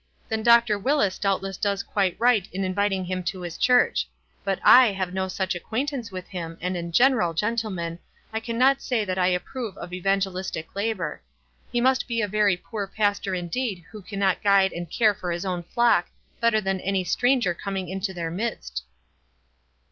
"Then Dr. Willis doubtless does quite right in inviting him to his church ; but I have no such acquaintance with him, and in general, gentlemen, I can not say that I approve of evangelistic labor. He must be a very poor pastor indeed who can not guide and care for his own flock better than any stranger coming into their midst."